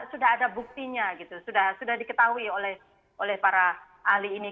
sudah ada buktinya gitu sudah diketahui oleh para ahli ini